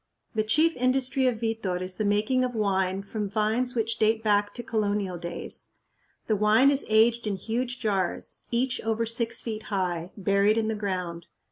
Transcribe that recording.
The chief industry of Vitor is the making of wine from vines which date back to colonial days. The wine is aged in huge jars, each over six feet high, buried in the ground.